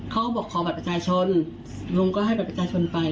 เขาบอกขอบัตรประชาชนลุงก็ให้บัตรประชาชนไป